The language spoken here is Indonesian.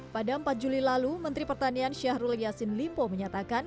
pada empat juli lalu menteri pertanian syahrul yassin limpo menyatakan